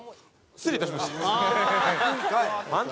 失礼いたしました。